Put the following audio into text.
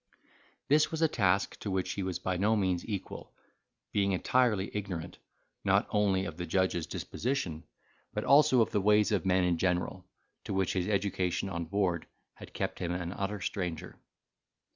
This was a task to which he was by no means equal, being entirely ignorant, not only of the judge's disposition, but also of the ways of men in general, to which his education on board had kept him an utter stranger.